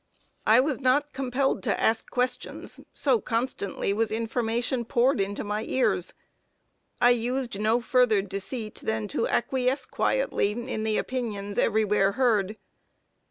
I was not compelled to ask questions, so constantly was information poured into my ears. I used no further deceit than to acquiesce quietly in the opinions everywhere heard.